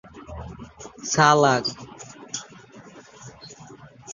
অত্যন্ত মেধাবী ছাত্র ছিলেন তিনি।